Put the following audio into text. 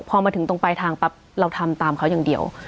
พอมาถึงตรงปลายทางปั๊บเราทำตามเขาอย่างเดียว